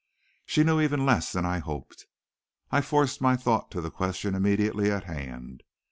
She knew even less than I hoped. I forced my thought to the question immediately at hand.